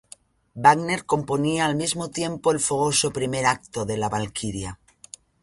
Wagner componía al mismo tiempo el fogoso primer acto de La Valquiria.